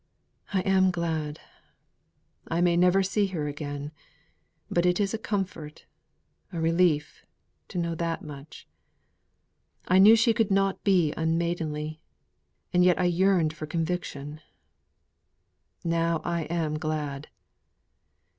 "I am glad. I may never see her again; but it is a comfort a relief to know that much. I knew she could not be unmaidenly; and yet I yearned for conviction. Now I am glad!"